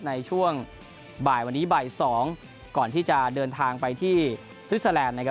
ในช่วงบ่ายวันนี้บ่าย๒ก่อนที่จะเดินทางไปที่สวิสเตอร์แลนด์นะครับ